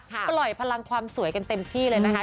ปล่อยพลังความสวยกันเต็มที่เลยนะคะ